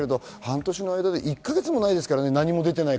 その間で１か月もないですからね。